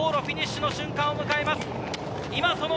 往路フィニッシュの瞬間を迎えます。